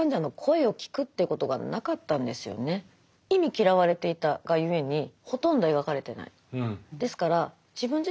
忌み嫌われていたがゆえにほとんど描かれてない。